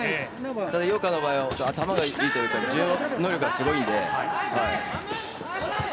ただ井岡の場合は頭がいいというか順応力がすごくいいので。